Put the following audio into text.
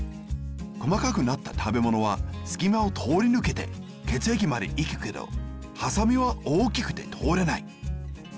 こまかくなった食べ物はすきまをとおりぬけてけつえきまでいくけどはさみはおおきくてとおれない。